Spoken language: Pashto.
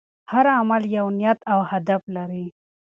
هر عمل یو نیت او هدف لري.